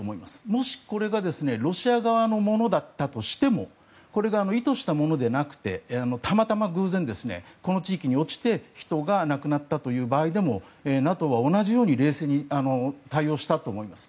もし、これがロシア側のものだったとしてもこれが意図したものでなくてたまたま偶然この地域に落ちて人が亡くなったという場合でもＮＡＴＯは同じように冷静に対応したと思うんです。